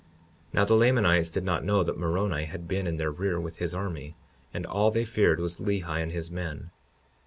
52:29 Now the Lamanites did not know that Moroni had been in their rear with his army; and all they feared was Lehi and his men.